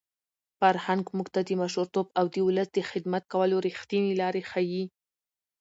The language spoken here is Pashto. فرهنګ موږ ته د مشرتوب او د ولس د خدمت کولو رښتینې لارې ښيي.